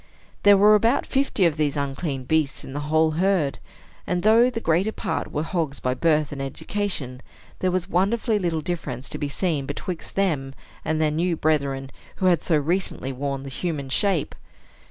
There were about fifty of these unclean beasts in the whole herd; and though the greater part were hogs by birth and education, there was wonderfully little difference to be seen betwixt them and their new brethren, who had so recently worn the human shape.